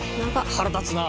腹立つな。